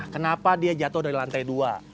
kenapa dia jatuh dari lantai dua